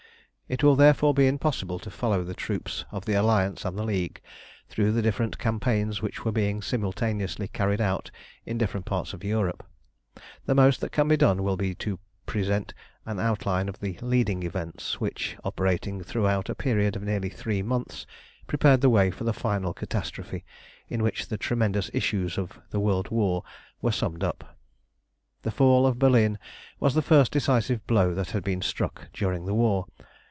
It will therefore be impossible to follow the troops of the Alliance and the League through the different campaigns which were being simultaneously carried out in different parts of Europe. The most that can be done will be to present an outline of the leading events which, operating throughout a period of nearly three months, prepared the way for the final catastrophe in which the tremendous issues of the world war were summed up. The fall of Berlin was the first decisive blow that had been struck during the war.